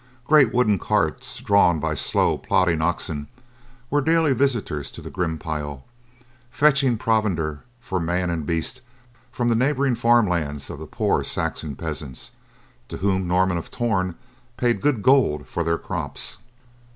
Great wooden carts drawn by slow, plodding oxen were daily visitors to the grim pile, fetching provender for man and beast from the neighboring farm lands of the poor Saxon peasants, to whom Norman of Torn paid good gold for their crops.